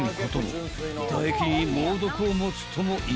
［唾液に猛毒を持つともいわれる］